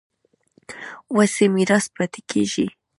وصي میراث پاتې کېږي.